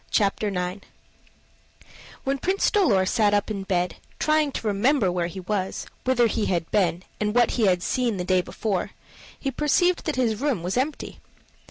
CHAPTER IX When Prince Dolor sat up in bed, trying to remember where he was, whither he had been, and what he had seen the day before, he perceived that his room was empty.